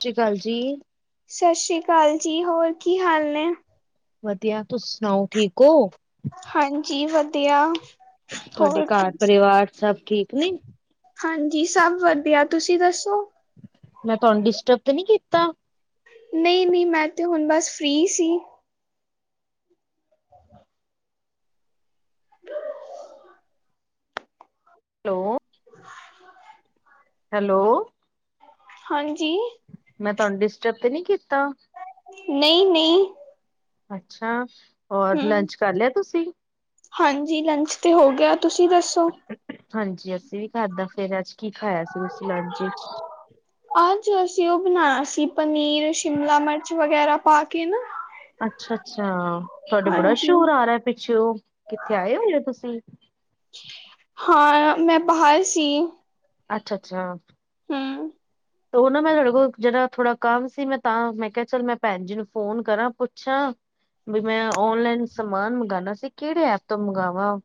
ਚੀ ਕਲ ਜੀ। ਸਸ਼੍ਰੀ ਕਾਲ ਜੀ ਹੋਰ ਕੀ ਹਾਲ ਨੇ? ਵਧੀਆ ਤੁਸੀ ਸੁਣਾਓ ਠੀਕ ਓ? ਹਾਂਜੀ ਵਧੀਆ। ਤਾਡੇ ਹੋਰ ਘਰ ਪਰਿਵਾਰ ਸਭ ਠੀਕ ਨੇ? ਹਾਂਜੀ ਸਬ ਵਧੀਆ ਤੁਸੀਂ ਦੱਸੋ? ਮੈਂ ਤੁਹਾਨੂੰ ਡਿਸਟਰਬ ਤੇ ਨੀ ਕੀਤਾ। ਨਹੀ-ਨਹੀ ਮੈਂ ਤੇ ਹੁਣ ਬਸ ਫਰੀ ਸੀ। ਲੋ [inaudible] ਹੈਲੋ ਹਾਂਜੀ। ਮੈਂ ਤਾਨੂੰ ਡਿਸਟਰਬ 'ਤੇ ਨੀ ਕੀਤਾ, ਨਹੀਂ-ਨਹੀਂ ਅੱਛਾ। ਹੌਰ ਹੂੰ, ਲੰਚ ਕਰ ਲਿਆ ਤੁਸੀਂ? ਹਾਂਜੀ ਲੰਚ 'ਤੇ ਹੋ ਗਿਆ ਤੁਸੀਂ ਦੱਸੋ? ਹਾਂਜੀ ਅਸੀਂ ਵੀ ਖਾਧਾ ਫਿਰ ਅੱਜ ਕੀ ਖਾਇਆ ਸੀ ਤੁਸੀਂ ਲੰਚ ਵਿੱਚ? ਅੱਜ ਅਸੀਂ ਉਹ ਬਣਾਇਆ ਸੀ ਪਨੀਰ, ਸ਼ਿਮਲਾ ਮਿਰਚ ਵਗੈਰਾ ਪਾ ਕੇ ਨਾ। ਅੱਛਾ-ਅੱਛਾ ਤੁਹਾਡੇ ਬੜਾ ਹਾਂਜੀ, ਛੋਰ ਆ ਰਿਹਾ ਪਿੱਛੇਓ, ਕਿੱਥੇ ਆਏ ਹੋਏ ਓ ਤੁਸੀਂ? ਹਾਂ ਮੈਂ ਬਾਹਰ ਸੀ। ਅੱਛਾ-ਅੱਛਾ। ਹੂੰ ਤੇ ਉਹ ਨਾ ਮੈਂ ਤੁਹਾਡੇ ਕੋਲ ਜਰਾ ਥੋੜਾ ਕੰਮ ਸੀ ਮੈਂ ਤਾਂ ਮੈਂ ਕਿਹਾ ਚੱਲ ਮੈਂ ਭੈਣ ਜੀ ਨੂੰ ਫੋਨ ਕਰਾਂ ਪੁੱਛਾਂ। ਬਈ ਮੈਂ ਓਨਲਾਈਨ ਸਮਾਨ ਮੰਗਵਾਉਣਾ ਸੀ, ਕਿਹੜੇ ਐਪ ਤੋਂ ਮੰਗਵਾਵਾ।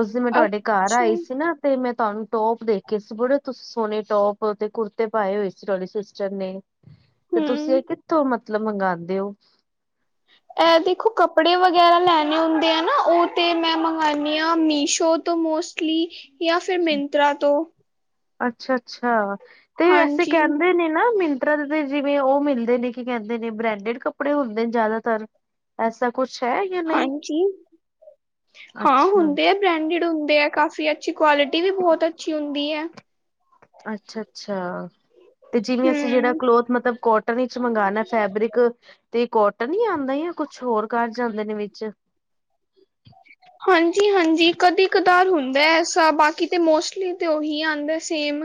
ਉਸ ਦਿਨ ਮੈਂ ਤੁਹਾਡੇ ਘਰ ਅੱਛਾ, ਆਈ ਸੀ ਨਾ। ਤੇ ਮੈਂ ਤੁਹਾਨੂੰ ਟੋਪ ਦੇਖੇ ਸੀ ਬੜੇ ਤੁ ਸੋਹਣੇ ਟੋਪ ਤੇ ਕੁੜ। ਤੇ ਪਾਏ ਹੋਏ ਸੀ ਤੁਹਾਡੀ ਸਿਸਟਰ ਨੇ ਤੇ, ਤੁਸੀਂ ਹੂੰ ਇਹ ਕਿੱਥੋਂ ਮਤਲਬ ਮੰਗਵਾਉਂਦੇ ਹੋ। ਐਹ ਦੇਖੋ ਕੱਪੜੇ ਵਗੈਰਾ ਲੈਣੇ ਹੁੰਦੇ, ਆ ਨਾ ਉਹ ਤੇ ਮੈਂ ਮੰਗਾਉਂਦੀ ਹਾਂ ਮੀਸ਼ੋ। ਤੋਂ ਮੋਸਟਲੀ ਜਾਂ ਫੇਰ ਮਿੰਤਰਾ ਤੋਂ। ਅੱਛਾ -ਅੱਛਾ ਤੇ ਵੈਸੇ, ਹਾਂਜੀ ਕਹਿੰਦੇ ਨੇ ਨਾ ਮਿੰ। ਤਰਾਂ ਦੇ ਜਿਵੇਂ ਉਹ ਮਿਲਦੇ ਨੇ ਕੀ ਕਹਿੰਦੇ ਨੇ, ਬ੍ਰੈਂਡਡ ਕੱਪੜੇ ਹੁੰਦੇ ਨੇ ਜ਼ਿਆਦਾਤਰ। ਐਸਾ ਕੁਛ ਹੈ, ਜਾਂ ਨਹੀ, ਹਾਂਜੀ ਅੱਛਾ। ਬ੍ਰੈਂਡਡ ਹੁੰਦੇ, ਕਾਫੀ ਅੱਛੀ ਕੁਆਲਿਟੀ ਵੀ ਬਹੁਤ ਅੱਛੀ ਹੁੰਦੀ ਹੈ। ਅੱਛਾ-ਅੱਛਾ ਤੇ ਜਿਵੇਂ, ਅਸੀਂ ਜਿਹੜਾ ਹਮ ਕਲੋਥ ਮਤਲਬ ਕੋ। ਵਿੱਚ ਮੰਗਉਣਾ ਫੈਬਰਿਕ ਤੇ, ਕੋਟਨ ਹੀ ਆਉਂਦਾ ਆ, ਕੁਛ ਹੋਰ ਕਾਰਜ ਆਉਂਦੇ ਨੇ ਵਿੱਚ। [unintelligible] [unintelligible] ਹਾਂਜੀ-ਹਾਂਜੀ ਕਦੇ ਕਧਾਰ ਹੁੰਦਾ, ਐਸਾ ਬਾਕੀ ਤੇ, ਮੋਸਟਲੀ ਤੇ ਉਹੀ ਆਉਂਦਾ ਸੇਮ।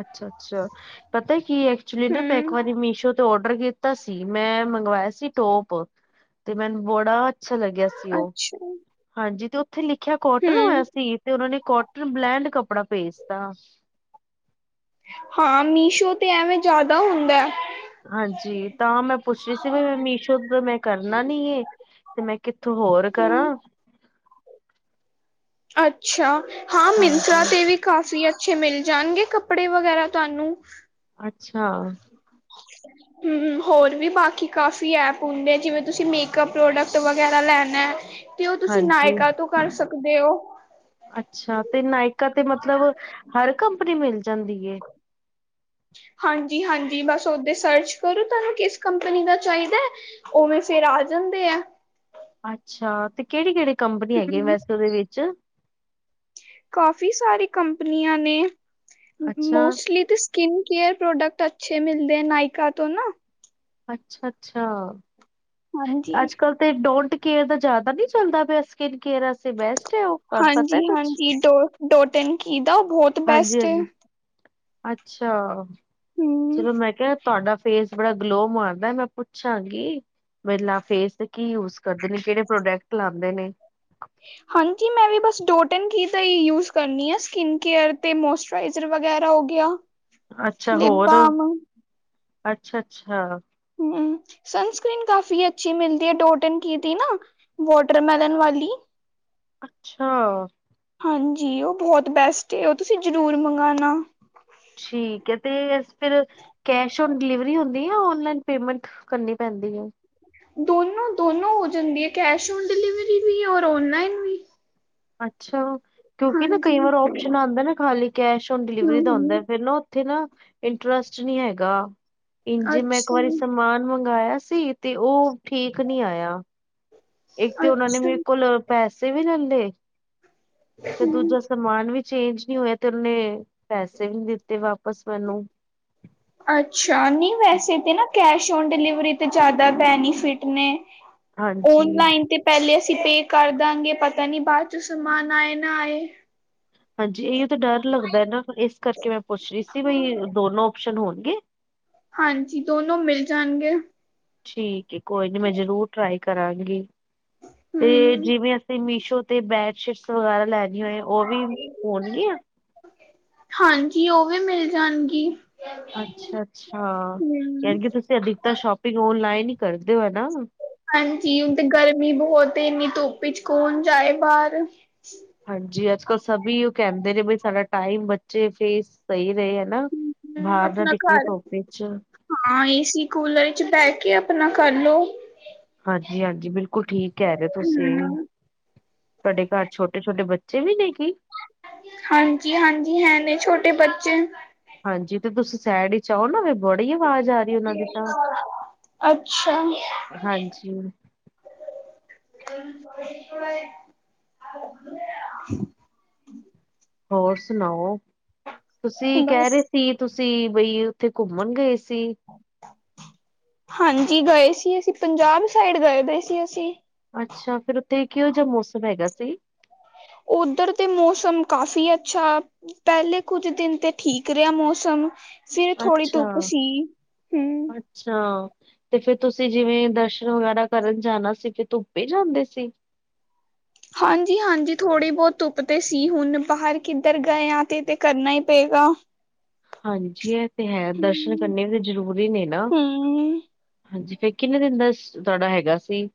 ਅੱਛਾ-ਅੱਛਾ, ਪਤਾ ਕਿ ਐਚੁਲੀ ਨਾ ਹਮ ਪੈਕਵੀ ਮੀਸ਼ੋ। ਔਡਰ ਕੀਤਾ ਸੀ, ਮੈਂ ਮੰਗਵਾਇਆ ਸੀ ਟੋਪ ਤੇ ਮੈਨੂੰ ਬੜਾ ਅੱਛਾ ਲੱਗਿਆ ਸੀ। ਉਹ ਅੱਛਾ ਹਾਂਜੀ, ਤੇ ਉੱਥੇ ਲਿਖਿਆ ਕੋਟਨ ਹਮ ਹੋਇਆ ਸੀ। ਤੇ ਉਹਨਾਂ ਨੇ ਕੋਟਨ ਬਲੈਂਡ ਕੱਪੜਾ ਭੇਜਤਾ। ਹਾਂ ਮੀਸ਼ੋ ਤੇ ਐਵੇਂ ਜ਼ਿਆਦਾ ਹੁੰਦਾ ਹੈ। ਹਾਂਜੀ ਤਾਂ ਮੈਂ ਪੁੱਛ ਰਹੀ ਸੀ, ਵੀ ਮੀਸ਼ੋ ਤੋਂ, ਮੈਂ ਕਰਨਾ ਨੀ ਇਹ। ਤੇ ਮੈਂ ਕਿੱਥੋਂ ਹੋਰ ਕਰਾਂ। ਅੱਛਾ ਹਾਂ ਮਿੰਸਰਾ ਹਾਂਜੀ ਤੇ ਵੀ। ਕਾਫੀ ਅੱਛੇ ਮਿਲ ਜਾਣਗੇ ਕੱਪੜੇ ਵਗੈਰਾ ਤੁਹਾਨੂੰ। ਅੱਛਾ। ਹੂ, ਹੋਰ ਵੀ ਬਾਕੀ ਕਾਫ਼ੀ ਐਪ ਹੁੰਦੇ, ਜਿਵੇਂ ਤੁਸੀਂ ਮੇਕਅਪ ਪ੍ਰੋਡਕਟ ਵਗੈਰਾ ਲੈਣਾ ਹੈ। ਤੇ ਉਹ ਤੁਸੀਂ ਹਾਂਜੀ ਨਾਇਕਾ ਤੋਂ ਕਰ ਸਕਦੇ ਹੋ। ਅੱਛਾ, ਤੇ ਨਾਇਕਾ ਤੇ ਮਤਲਬ ਹਰ ਕੰਪਨੀ ਮਿਲ ਜਾਂਦੀ ਹੈ। ਹਾਂਜੀ-ਹਾਂਜੀ ਬਸ ਓਦ ਸਰਚ ਕਰੋ, ਤੁਹਾਨੂੰ ਕਿਸ ਕੰਪਨੀ ਦਾ ਚਾਹੀਦਾ ਹੈ। ਉਵੇਂ ਫੇਰ ਆ ਜਾਂਦੇ ਆ। ਅੱਛਾ ਤੇ ਕਿਹੜੀ-ਕਿਹੜੀ, ਕੰਪਨੀ ਹੈਗੀ ਵੈਸੋ ਦੇ ਵਿੱਚ। ਕਾਫੀ ਸਾਰੇ ਕੰਪਨੀਆਂ ਨੇ ਅੱਛਾ। ਮੋਸਟਲੀ ਤੇ। ਸਕਿਨ ਕੇਅਰ ਪ੍ਰੋਡਕਟ ਅੱਛੇ, ਮਿਲਦੇ ਨਾਇਕਾ ਤੋਂ ਨਾ। ਅੱਛਾ-ਅੱਛਾ ਹਾਂਜੀ ਅੱਜ-ਕੱਲ ਤੇ, ਡੋਂਟ ਕੇਅਰ ਦਾ ਜ਼ਿਆਦਾ ਨਹੀਂ ਚੱਲਦਾ ਪਿਆ। ਕਿ ਕਿਸ ਬੈਸਟ ਹੈ, ਉਹ ਤੁਹਾਨੂੰ ਪਤਾ ਹਾਂਜੀ ਕੁਛ ਹਾਂਜੀ ਡੋ ਡੋਟਨ ਕੀ ਦਾ ਉਹ ਬਹੁਤ ਬੈਸਟ ਹੈ ਹਾਂਜੀ-ਹਾਂਜੀ। ਅੱਛਾ ਹਮ ਚਲੋ ਮੈਂ ਕਿਹਾ। ਤੁਹਾਡਾ ਫੇਸ ਬੜਾ ਗਲੋ ਮਾਰਦਾ, ਮੈਂ ਪੁੱਛਾਂਗੀ। ਮਤਲਬ ਫੇਸ ਕੀ ਯੂਜ ਕਰਦੇ ਨੇ, ਕਿਹੜੇ ਪ੍ਰੋਡਕਟ ਲਾਦੇ ਨੇ। ਹਾਂਜੀ, ਮੈਂ ਵੀ ਬਸ ਡੋਟਨ ਘੀ ਦਾ ਹੀ ਯੂਜ ਕਰਨੀ ਆ ਸਕਿਨ ਕੇਅਰ ਤੇ ਮੋਸਟ। ਟ੍ਰਜ਼ਰ ਵਗੈਰਾ ਹੋ ਗਿਆ। ਅੱਛਾ, ਲਿਪ ਹੋਰ ਬਾਮ ਅੱਛਾ-ਅੱਛਾ। ਹੂ, ਸਨਸਕ੍ਰਰੀਨ ਕਾਫ਼ੀ ਅੱਛੀ ਮਿਲਦੀ ਹੈ, ਡੋਟਨ ਕੀ ਤੀ ਨਾ। ਵਾਟਰਮੈਲਨ ਵਾਲੀ। ਅੱਛਾ। ਹਾਂਜੀ ਉਹ ਬਹੁਤ ਬੈਸਟ, ਉਹ ਤੁਸੀਂ ਜ਼ਰੂਰ ਮੰਗਵਾਉਣਾ। ਠੀਕ ਹੈ ਤੇ ਫਿਰ। ਕੈਸ਼ ਔਨ ਡਿਲੀਵਰੀ ਹੁੰਦੀ ਆ, ਔਨਲਾਈਨ ਪੇਮੈਂਟ ਕਰਨੀ ਪੈਂਦੀ ਹੈ। ਦੋਨੋਂ, ਦੋਨੋਂ ਹੋ ਜਾਂਦੀ ਹੈ, ਕੈਸ਼ ਔਨ ਡਿਲੀਵਰੀ ਵੀ ਔਰ ਔਨਲਾਈਨ ਵੀ। ਅੱਛਾ, ਕਿਉਂਕਿ ਨਾ ਕਈ ਹਾਂਜੀ ਵਾਰ ਓਸ਼ਨ ਆਉਂਦਾ ਨਾ ਖਾਲੀ ਕੈਸ਼ ਨ, ਡਿਲੀਵਰੀ ਹਮ ਦਾ ਹਮ ਹੁੰਦਾ ਫਿਰਰ ਨਾ। ਉਥੇ ਨਾ ਇੰਟਰਸਟ ਨੀ ਹੈਗਾ, ਇੰਜੇ ਮੈਂ, ਇੱਕ ਅੱਛਾ ਵਾਰੀ ਸਮਾਨ ਮੰਗਵਾਇਆ ਸੀ। ਤੇ ਉਹ ਠੀਕ ਨੀ ਆਇਆ। ਇੱਕ ਤੇ ਉਹਨਾ ਨੇ ਅੱਛਾ ਮੇਰੇ ਕੋਲ ਪੈਸੇ ਵੀ, ਲੈਂਲੇ ਤੇ ਹਮ ਦੂਜਾ ਸਮਾਨ ਵੀ ਚੇਂਜ ਨੀ ਹੋਇਆ। ਤੇ ਉਨੇ ਪੈਸੇ ਵੀ, ਨੀ ਦਿੱਤੇ ਵਾਪਸ ਮੈਨੂੰ ਅੱਛਾ ਨਹੀਂ ਵੈਸੇ ਤਾਂ, ਨਾ ਕੈਸ਼ ਔਨ ਡਿਲੀਵਰੀ ਤੇ ਜ਼ਿਆਦਾ ਬੈਨੀਫਿਟ ਨੇ, ਹਾਂਜੀ ਓਨਲਾਈਨ ਤੇ ਪਹਿਲੇ ਅਸੀਂ ਪੇ ਕਰ ਦਾਂਗੇ ਪਤਾ ਨੀ ਬਾਅਦ ਚ, ਸਮਾਨ ਆਏ ਨਾ, ਆਏ ਹਾਂਜੀ, ਇਹੀ ਉਹ ਤਾਂ ਡਰ ਲੱਗਦਾ ਨਾ, ਇਸ ਕਰਕੇ ਮੈਂ, ਪੁੱਛ ਰਹੀ ਸੀ। ਬਈ ਦੋਨੋ ਓਪਸ਼ਨ ਹੋਣਗੇ! ਹਾਂਜੀ, ਦੋਨੋ ਮਿਲ ਜਾਣਗੇ। ਠੀਕ ਐ ਕੋਈ ਨੀ ਮੈਂ ਜਰੂਰ ਟਰਾਈ ਕਰਾਂਗੀ ਤੇ ਹੂੰ। ਜਿਵੇਂ ਅਸੀਂ ਮੀਸ਼ੋ ਤੇ ਬੈਡਸ਼ੀਟਸ ਵਗੈਰਾ ਲੈਣੀ ਹੋਏ ਉਹ ਵੀ ਹੋਣਗੀਆਂ? ਹਾਂਜੀ, ਉਹ ਵੀ ਮਿਲ ਜਾਣਗੀ। ਅੱਛਾ- ਅੱਛਾ, ਹੂੰ। ਯਾਨ ਕਿ ਤੁਸੀਂ ਅਧਿਕਤ ਸ਼ੋਪਿੰਗ ਓਨਲਾਈਨ ਹੀ ਕਰਦੇ ਹੋ ਨਾ? ਹਾਂਜੀ, ਹੁਣ ਤੇ ਗਰਮੀ ਬਹੁਤ ਐ ਇੰਨੀ ਧੋਪ ਚ ਕੌਣ ਜਾਏ ਬਾਹਰ। ਹਾਂਜੀ ਅੱਜ- ਕੱਲ੍ਹ ਸਭੀ ਉਹ ਕਹਿੰਦੇ ਨੇ ਬਈ ਸਾਡਾ ਟਾਈਮ ਬੱਚੇ ਫੇ ਸਹੀ ਰਹੇ। ਹਾ ਨਾ ਹੂੰ ਬਾਹਰ ਨਾ ਆਪਣਾ ਤੀਕਲੀ ਘਰ ਧੁੱਪ ਵਿਚ। ਹਾਂ ਏਸੀ ਕੂਲਰ ਚੇ ਬਹਿ ਕੇ ਆਪਣਾ ਕਰਲੋ। ਹਾਂਜੀ -ਹਾਂਜੀ ਬਿਲਕੁਲ ਠੀਕ ਕਹਿ ਰਹੇ ਤੁਸੀਂ। ਹੂੰ ਤੁਹਾਡੇ ਘਰ ਛੋਟੇ- ਛੋਟੇ ਬੱਚੇ ਵੀ ਨੇ ਕੀ? ਹਾਂਜੀ- ਹਾਂਜੀ ਹੈ ਨੇ ਛੋਟੇ ਬੱਚੇ। ਹਾਂਜੀ ਤੇ ਤੁਸੀਂ ਸੈਡ ਵਿਚ ਆਓ ਨਾ ਵੀ ਬੜੀ ਆਵਾਜ਼ ਆ ਰਹੀ ਉਹਨਾਂ ਦੀ ਤਾਂ ਅੱਛਾ। [inaudible] ਹਾਂਜੀ ਹੋਰ ਸੁਣਾਓ? ਤੁਸੀਂ ਕਹਿ ਬਸ ਰਹੇ ਸੀ ਤੁਸੀਂ ਬਈ ਉੱਥੇ ਘੁੰਮਣ ਗਏ ਸੀ। ਹਾਂਜੀ, ਗਏ ਸੀ ਅਸੀਂ ਪੰਜਾਬ ਸਾਈਡ ਗਏ ਸੀ ਅਸੀਂ। ਅੱਛਾ, ਫੇਰ ਉੱਥੇ ਕਿਹੋ ਜਿਹਾ ਮੌਸਮ ਹੈਗਾ ਸੀ? ਉੱਧਰ ਤੇ ਮੌਸਮ ਕਾਫ਼ੀ ਅੱਛਾ ਪਹਿਲੇ ਕੁੱਝ ਦਿਨ ਤੇ ਠੀਕ ਰਿਹਾ ਮੌਸਮ। ਫਿਰ ਥੋੜੀ ਅੱਛਾ ਧੁੱਪ ਸੀ ਹੂ। ਅੱਛਾ। ਤੇ ਫੇਰ ਤੁਸੀਂ ਜਿਵੇਂ ਦਰਸ਼ਨ ਵਗੈਰਾ ਕਰਨ ਜਾਣਾ ਸੀ ਫ ਧੁੱਪੇ ਜਾਂਦੇ ਸੀ? ਹਾਂਜੀ-ਹਾਂਜੀ ਥੋੜ੍ਹੀ ਬਹੁਤ ਧੁੱਪ ਤੇ ਸੀ ਹੁਣ ਬਾਹਰ ਕਿੱਧਰ ਗਏ ਹ ਤੇ ਤੇ ਕਰਨਾ ਹੀ ਪਏਗਾ। ਹਾਂਜੀ, ਇਹ ਤੇ ਹੈ ਦਰਸ਼ਨ ਹਮ ਕਰਨੇ ਵੀ ਜ਼ਰੂਰੀ ਨੇ ਨਾ। ਹਮ ਜੀ, ਫਿਰ ਕਿੰਨੇ ਦਿਨ ਦਾ ਤੁਹਾਡਾ ਹੈਗਾ ਸੀ?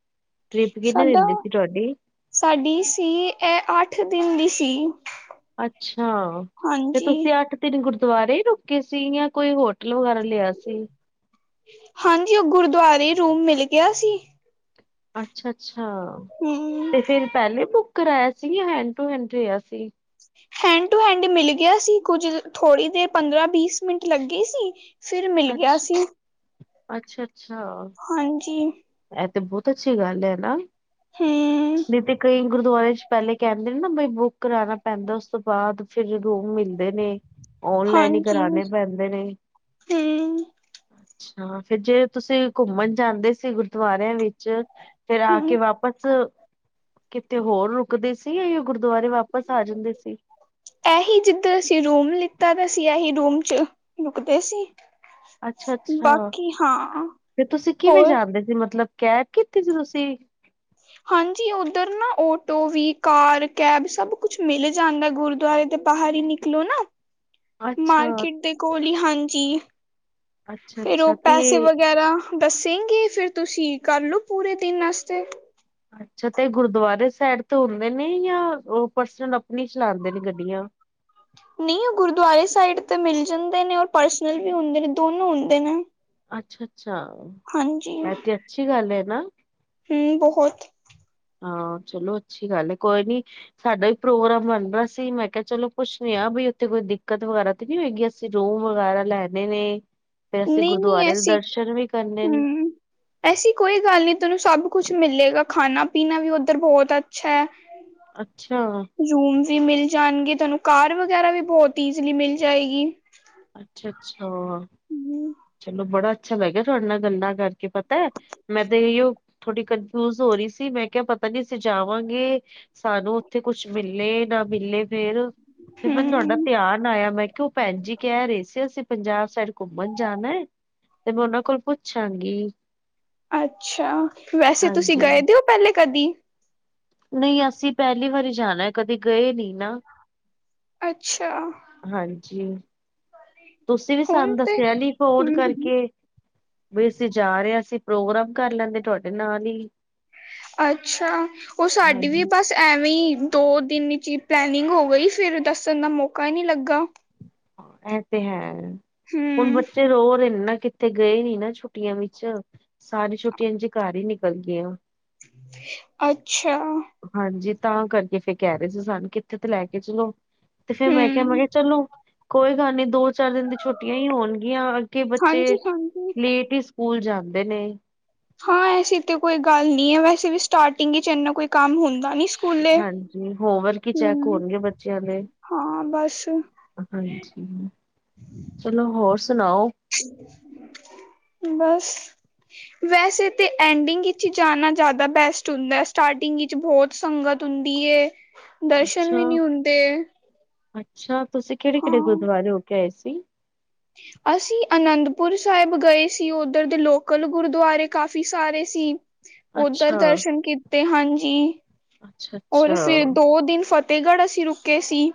ਟ੍ਰਿਪ ਕਿੰਨੇ ਸਾਡਾ ਦਿਨ ਦੀ ਸੀ ਤੁਹਾਡੀ? ਸਾਡੀ ਸੀ ਇਹ ਅੱਠ ਦਿਨ ਦੀ ਸੀ। ਅੱਛਾ ਤੇ ਹਾਂਜੀ ਤੁਸੀਂ ਅੱਠ ਤੇ ਗੁਰਦੁਆਰੇ ਹੀ ਰੁਕੇ ਸੀ ਯ ਕੋਈ ਹੋਟਲ ਵਗੈਰਾ ਲਿਆ ਸੀ? ਹਾਂਜੀ, ਉ ਗੁਰਦੁਆਰੇ ਰੂਮ ਮਿਲ ਗਿਆ ਸੀ। ਅੱਛਾ- ਅੱਛਾ, ਹਮ ਤੇ ਫੇਿਰ ਪਹਿਲੇ ਬੁੱਕ ਕਰਾਇਆ ਸੀ ਯ ਹੈਂਡ ਟੂ ਹੈਂਡ ਰਿਹਾ ਸੀ? ਹੈਂਡ ਟੂ ਹੈਂਡ ਮਿਲ ਗਿਆ ਸੀ ਕੁੱਝ ਥੋੜ੍ਹੀ ਦੇਰ ਪੰਦਰਾਂ ਬੀਸ ਮਿੰਟ ਲੱਗੇ ਸੀ। ਫਿਰ ਮਿਲ ਗਿਆ ਅੱਛ ਸੀ। ਅੱਛਾ- ਅੱਛਾ। ਹਾਂਜੀ। ਇਹ ਤੇ ਬਹੁਤ ਅੱਛੀ ਗੱਲ ਹੈ ਨਾ, ਹੂੰ ਨਹੀਂ ਤੇ ਕਈ ਗੁਰਦੁਆਰੇ ਚੇ ਪਹਿਲੇ ਕਹਿੰਦੇ ਨੇ ਨਾ ਬਈ ਬੁੱਕ ਕਾਰਣਾ ਪੈਂਦਾ ਉਸ ਤੋਂ ਬਾਅਦ ਫਿਰ ਰੋ ਮਿਲਦ ਨੇ ਓਨਲਾਈਨ ਹੀ ਹਾਂਜੀ ਕਰਾਣੇ ਪੈਂਦੇ ਨੇ। ਹੂੰ ਅੱਛਾ। ਫਿਰ ਜੇ ਤੁਸੀਂ ਘੁੰਮਣ ਜਾਂਦੇ ਸੀ ਗੁਰਦੁਆਰਿਆਂ ਵਿੱਚ ਫਿਰ ਆ ਕੇ ਹੂੰ ਵਾਪ ਬਸ, ਕਿਤੇ ਹੋਰ ਰੁਕਦੇ ਸੀ ਯ ਗੁਰਦੁਆਰੇ ਵਾਪਸ ਆ ਜਾਂਦੇ ਸੀ? ਇਹੀ ਜਿੱਧਰ ਅਸੀਂ ਰੂਮ ਲਿੱਤਾ ਤਾਂ ਅਸੀਂ ਇਹੀ ਰੂਮ ਚ ਰੁਕਦੇ ਸੀ। ਅੱਛਾ- ਅੱਛਾ ਬਾਕੀ ਹਾਂ ਤੇ ਤੁਸੀਂ ਕਿਵੇਂ ਹੋਰ ਜਾਦੇ ਸੀ ਮਤਲਬ ਕੈਬ ਕੀਤੀ ਸੀ ਤੁਸੀਂ? ਹਾਂਜੀ, ਉੱਧਰ ਨਾ ਓਟੋ ਵੀ ਕਾਰ ਕੈਬ ਸਭ ਕੁਛ ਮਿਲ ਜਾਂਦਾ ਗੁਰਦੁਆਰੇ ਦੇ ਬਾਹਰ ਹੀ ਨਿਕ ਲੋ ਨਾ ਅੱਛਾ ਮਾਰਕੀਟ ਦੇ ਕੋਲ ਹੀ ਹਾਂਜੀ। ਅੱਛਾ ਫੇਰ ਔ ਅੱਛਾ ਪੈਸੇ ਤੇ ਵਗੈਰਾ ਦੱਸੇਂਗੀ ਫੇਰ ਤੁਸੀਂ ਕਰਲੋ ਪੂਰੇ ਦਿਨ ਵਾਸਤੇ ਅੱਛਾ ਤੇ ਗੁਰਦੁਆਰੇ ਸਾਈਡ ਤੋਂ ਹੁੰਦੇ ਨੇ ਯਾਂ ਔ ਪਰਸਨਲ ਆਪਣੀ ਚਲਾਂਦੇ ਨੇ ਗੱਡੀਆਂ ਨੀ ਗੁਰੂਦੁਆਰੇ ਸਾਈਡ ਤੇ ਮਿਲ ਜਾਂਦੇ ਨੇ ਔਰ ਪਰਸਨਲ ਵੀ ਹੁੰਦੇ ਨੇ ਦੋਨੋ ਹੁੰਦੇ ਨੇ ਅੱਛਾ-ਅਛਾ ਹਾਂਜੀ ਐ ਤੇ ਅੱਛੀ ਗੱਲ ਏ ਨਾ ਠੀਕੇ ਫਿਟ ਹਾਂ ਚਲੋ ਅੱਛੀ ਗੱਲ ਏ ਕੋਈ ਨੀ ਸਾਡਾ ਈ ਪ੍ਰੋਗਰਾਮ ਬਣ ਰਿਆ ਸੀ ਮੈਂ ਕਿਹਾ ਚਲੋ ਪੁੱਛਨੀ ਆ ਬਈ ਏਥੇ ਕੋਈ ਦਿੱਕਤ ਵਗੈਰਾ ਨੀ ਹੋਏਗੀ ਅਸੀਂ ਰੂਮ ਵਗੈਰਾ ਲੈਣੇ ਨੇ ਫੇਰ ਅਸੀਂ ਨਹੀਂ ਨਹੀਂ ਗੁਰਦੁਆਰੇ ਦੇ ਐਸੀ ਦਰਸ਼ਨ ਵੀ ਕਰਨੇ ਨੇ ਹੂੰ ਐਸੀ ਕੋਈ ਗੱਲ ਨੀ ਤੇਨੂੰ ਸਭ ਕੁਛ ਮਿਲੇਗਾ ਖਾਣਾ- ਪੀਣਾ ਵੀ ਔਧਰ ਬੋਤ ਅੱਛੈ ਅੱਛਾ [unintelligible] ਰੂਮ ਵੀ ਮਿਲ ਜਾਣਗੇ ਤਾਨੂੰ ਕਾਰ ਵਗੈਰਾ ਵੀ ਬੋਤ ਈਜ਼ਲੀ ਮਿਲ ਜਾਏਗੀ। ਅੱਛਾ -ਅੱਛਾ। ਹਮ [unintelligible] ਚਲੋ ਬੜਾ ਅੱਛਾ ਲਗਿਆ ਤੁਹਾਡੇ ਨਾਲ ਗੰਦਾ ਕਰਕੇ ਪਤਾ ਮੈਂ ਤੇ ਇਔ ਥੋੜੀ ਕਨਫਿਊਜ ਹੋ ਰੀ ਸੀ ਮੈਂ ਕਿਯਾ ਪਤਾ ਨੀ ਅਸੀ ਜਾਵਾਂਗੇ। ਸਾਨੂੰ ਔਥੇ ਕੁਛ ਮਿਲੇ ਨਾ ਮਿਲੇ ਫੇਰ ਮੈਨੂੰ ਤੁਹਾਡਾ [unintelligible] ਹੂੰ ਧੇਯਾਨ ਆਯਾ ਮੈਂ ਕੇਆ ਔਹ ਭੈਣ ਜੀ ਕੈ ਰੇ ਸੀ ਅਸੀਂ ਪੰਜਾਬ ਸਾਈਡ ਘੁੰਮਣ ਜਾਨੈ। ਤੇ ਮੈਂ ਔਨਾਂ ਕੋਲ ਪੁੱਛਾਂਗੀ ਅੱਛਾ ਵੈਸੇ ਤੁਸੀਂ ਹਾਂਜੀ ਗਏ ਦੇ ਹੋ ਪੈਲੇ ਕਦੀ। ਨ ਈ ਅਸੀਂ ਪੈਲੀ ਵਾਰੀ ਜਾਣਾ ਕਦੇ ਗਏ ਨੀ ਨਾ ਅੱਛਾ। ਹਾਂਜੀ ਤੁਸੀਂ ਵੀ ਸਾਨੂੰ ਹੁਣ ਤੇ ਦੱਸਿਆ ਨੀ ਫੋਨ ਹੂੰ ਕਰਕੇ ਵੀ ਅਸੀਂ ਜਾ ਰੇ ਆਂ ਅਸੀਂ ਪ੍ਰੋਗਰਾਮ ਕਰ ਲੈਂਦੇ ਤੁਆਡੇ ਨਾਲ ਈ। ਅੱਛਾ ਔਹ ਸਾਡੀੇ ਵੀ ਹਾਂਜੀ ਬਸ ਚ ਐਵੇਂ ਈ ਦੋ ਦਿਨ ਚ ਪਲੈਨਿੰਗ ਹੋ ਗਈ ਫੇਰ ਦੱਸਣ ਦਾ ਮੌਕਾ ਈ ਨੀ ਲੱਗਾੰ। ਐ ਤੇ ਹੈ ਹੁਣ ਹੂੰ ਬੱਚੇ ਰੋ ਰੇ ਨਾ ਕਿ ਥੇ ਗਯੇ ਨੀ ਨਾ ਛੁੱਟੀਆਂ ਵਿੱਚ ਸਾਰੀ ਛੁੱਟੀਆਂ ਇੰਜ ਘਰ ਈ ਨਿਕਲ ਗੀਯਾਂ। ਅੱਛਾ। ਹਾਂਜੀ ਤਾਂ ਕਰਕੇ ਫੇਰ ਕੈ ਰੇ ਸੀ ਸਾਨੂੰ ਕਿੱਥੇ ਤੇ ਲੈ ਕੇ ਚਲੋ ਤੇ ਫੇਰ ਮੈਂ ਕਿਯਾ ਮੈਂ ਹੂੰ ਕਿਯਾ ਚਲੋ। ਕੋਈ ਗੱਲ ਨਹੀ ਦੋ ਚਾਰ ਦਿਨ ਦੀ ਛੁੱਟੀਆਂ ਈ ਹੋਣਗੀਆਂ ਅੱਗੇ ਬੱਚੇ ਹਾਂਜੀ ਹਾਂਜੀ ਲੇਟ ਹੀ ਸ ਕੂਲ ਜਾਂਦੇ ਨੇ। ਹਾਂ ਐਸੀੇ ਤੇ ਕੋਈ ਗੱਲ ਨਹੀਂ ਏ ਵੈਸੇ ਵੀ ਸਟਾਰਟਿੰਗ ਚ ਏਨਾ ਕੋਈ ਕੰਮ ਹੋਂਦਾ ਨੀ। ਹਾਂਜੀ ਹੋਂਵਰਕ ਈ ਚੈਕ ਹੋਣਗੇ ਬੱਚਿਆਂ ਦੇ ਹਾਂ ਬਸ ਹਾਂਜੀ, ਚਲੋ ਹੋਰ ਸੁਨਾਔ। [unintelligible] ਬਸ ਵੈਸੇ ਤੇ ਐਂਡਿੰਗ ਚੀ ਜਾਣਾ ਜਾਦਾ ਬੈਸਟ ਹੁੰਦਾ ਸਟਾਰਟਿੰਗ ਵਿੱ ਵਿੱਚ ਬੋਤ ਸੰਗਤ ਹੁੰਦੀ ਏ [inaudible] ਦਰਸ਼ਨ ਵੀ ਨੀ ਹੁੰਦੇ। ਅੱਛਾ ਤੁਸੀਂ ਕੇੜੇ- ਕੇੜੇ ਹਾਂ ਗੁਰਦੁਆਰੇ ਹੋ ਕੇ ਆਏ ਸੀ। ਅਸੀਂ ਆਨੰਦਪੁਰ ਸਾਹਿਬ ਗਏ ਸੀ ਔਧਰ ਦੇ ਲੋਕਲ ਗੁਰਦੁਆਰੇ ਕਾਫ਼ੀ ਸਾਰੇ ਸੀ। ਔਧਰ ਅੱਛਾ ਦਰਸ਼ਨ ਕੀਤੇ ਹਨ ਜੀ, ਅੱਛਾ ਔਰ ਅੱਛਾ ਫੇਰ ਦੋ ਦਿਨ ਫਤ ਤੇਹਗੜ੍ਹ ਅਸੀਂ ਰੁਕੇ ਸੀ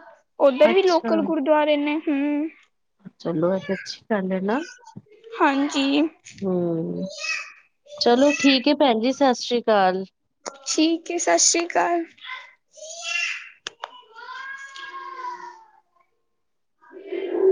ਔਧਰ ਵੀ ਅੱਛਾ ਲੋਕਲ ਗੁਰਦੁਆਰੇ ਨੇ ਹਮ ਚਲੋ ਐ ਤੇ ਅਸੀ ਗਲ ਏ ਨਾ ਹਾਂਜੀ। ਹਮ ਚਲੋ ਠੀਕ ਏ ਭੈਨ ਜੀ ਸਤਿ ਸ੍ਰੀ ਅਕਾਲ। ਠੀਕ ਐ ਸਤ ਸ਼੍ਰੀ ਅਕਾਲ। [inaudible]